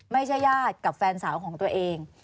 ญาติกับแฟนสาวของตัวเอง